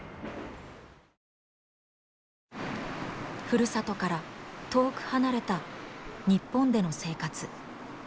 ふるさとから遠く離れた日本での生活。